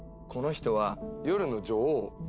この人は「夜の女王」。